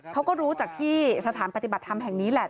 เขาก็รู้จากที่สถานปฏิบัติธรรมแห่งนี้แหละ